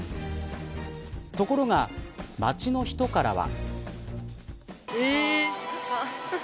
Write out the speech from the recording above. ところが街の人からは。